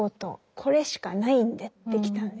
これしかないんで」ってきたんです。